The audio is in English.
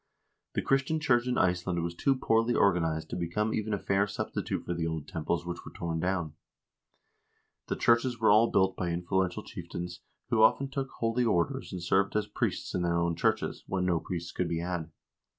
The Christian church in Iceland was too poorly organized to become even a fair substitute for the old temples which were torn down. The churches were all built by influential chieftains, who often took holy orders and served as priests in their own churches, when no priests could be had.